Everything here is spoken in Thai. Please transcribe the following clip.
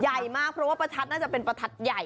ใหญ่มากเพราะว่าประทัดน่าจะเป็นประทัดใหญ่